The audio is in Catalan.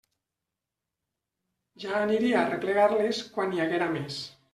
Ja aniria a arreplegar-les quan n'hi haguera més.